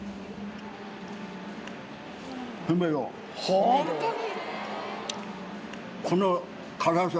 ホントに？